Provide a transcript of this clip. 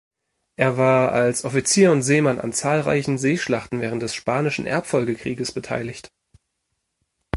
Er war als Offizier und Seemann an zahlreichen Seeschlachten während des Spanischen Erbfolgekrieges beteiligt.